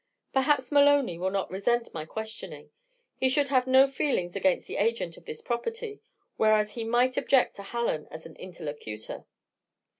Perhaps Maloney will not resent my questioning; he should have no feelings against the agent of this property, whereas he might object to Hallen as an interlocutor."